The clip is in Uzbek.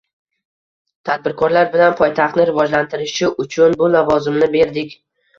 Tadbirkorlik bilan poytaxtni rivojlantirishi uchun bu lavozimni berdik